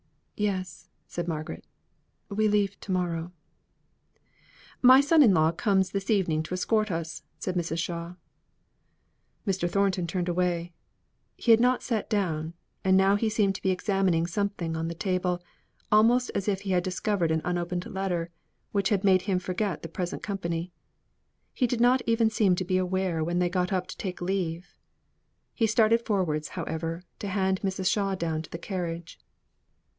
"Yes," said Margaret. "We leave to morrow." "My son in law comes this evening to escort us," said Mrs. Shaw. Mr. Thornton turned away. He had not sat down, and now he seemed to be examining something on the table, almost as if he had discovered an unopened letter, which had made him forget the present company. He did not even seem to be aware when they got up to take leave. He started forwards, however, to hand Mrs. Shaw down to the carriage.